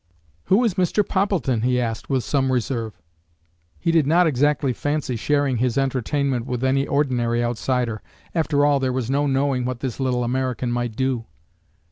"Who is Mr. Poppleton?" he asked, with some reserve. He did not exactly fancy sharing his entertainment with any ordinary outsider. After all, there was no knowing what this little American might do.